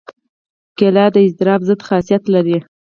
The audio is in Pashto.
کېله د اضطراب ضد خاصیت لري.